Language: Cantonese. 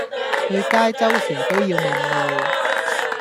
去街周時都要問路